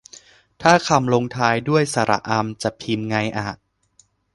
ถ้าคำลงท้ายด้วย สระอำ จะพิมพ์ไงอะ